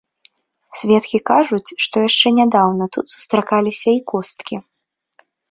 Сведкі кажуць, што яшчэ нядаўна тут сустракаліся і косткі.